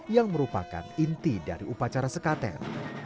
yang merupakan inti dari upacara sekaten